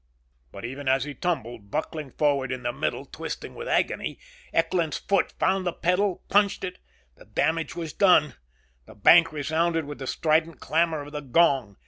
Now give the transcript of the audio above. But even as he tumbled, buckling forward in the middle, twisting with agony, Eckland's foot found the pedal, punched it. The damage was done. The bank resounded with the strident clamor of the gong.